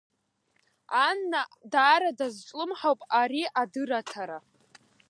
Анна даара дазҿлымҳауп ари адырраҭара.